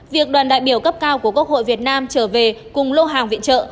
việc đoàn đại biểu cấp cao của quốc hội việt nam trở về cùng lô hàng viện trợ